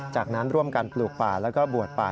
จากนั้นร่วมกันปลูกป่าแล้วก็บวชป่า